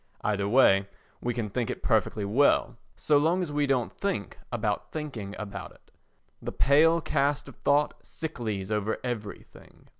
Either way we can think it perfectly well—so long as we don't think about thinking about it. The pale cast of thought sicklies over everything.